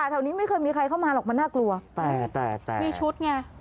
แต่มีชุด